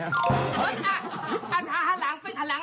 เอ๊ะถันหลังเป็นถันหลัง